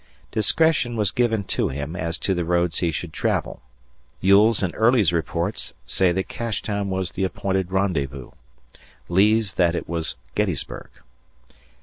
Discretion was given to him as to the roads he should travel. Ewell's and Early's reports say that Cashtown was the appointed rendezvous; Lee's that it was Gettysburg.